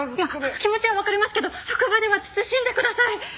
気持ちはわかりますけど職場では慎んでください！